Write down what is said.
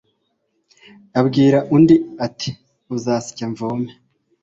ubwira undi, ati «uzasya mvome